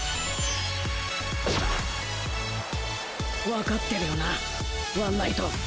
わかってるよなワンナイト？